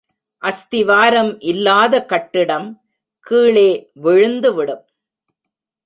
அஸ்திவாரம் இல்லாத கட்டிடம் கீழே விழுந்து விடும்.